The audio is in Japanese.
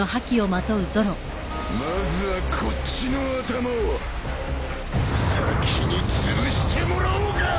まずはこっちの頭を先につぶしてもらおうか！